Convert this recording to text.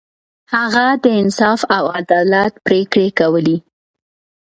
هغه د انصاف او عدالت پریکړې کولې.